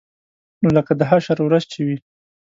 لکه د حشر ورځ چې وي.